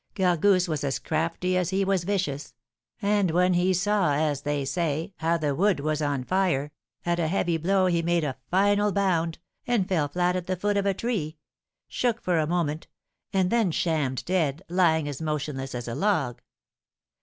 Gargousse was as crafty as he was vicious; and when he saw, as they say, how the wood was on fire, at a heavy blow he made a final bound, and fell flat at the foot of a tree, shook for a moment, and then shammed dead, lying as motionless as a log.